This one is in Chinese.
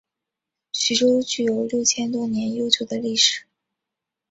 徐州具有六千多年悠久的历史。